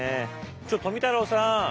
ちょ富太郎さん。